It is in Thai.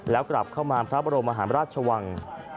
แล้วกลับเมียมาทรมาโรมราชวัง